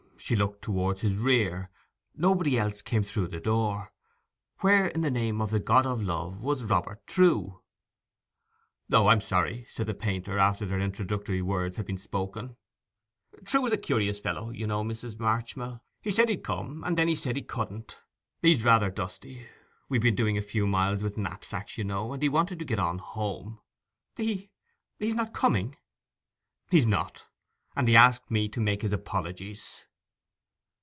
She looked towards his rear; nobody else came through the door. Where, in the name of the God of Love, was Robert Trewe? 'O, I'm sorry,' said the painter, after their introductory words had been spoken. 'Trewe is a curious fellow, you know, Mrs. Marchmill. He said he'd come; then he said he couldn't. He's rather dusty. We've been doing a few miles with knapsacks, you know; and he wanted to get on home.' 'He—he's not coming?' 'He's not; and he asked me to make his apologies.